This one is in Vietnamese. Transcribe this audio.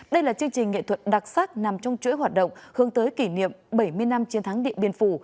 đây là chương trình nghệ thuật đặc sắc nằm trong chuỗi hoạt động hướng tới kỷ niệm bảy mươi năm chiến thắng điện biên phủ